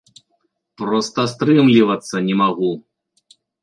Проста стрымлівацца не магу.